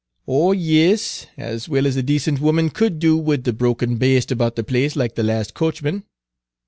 "Oh yis, as well as a decent woman could do wid a drunken baste about the place like the lahst coachman.